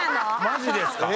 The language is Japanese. マジですか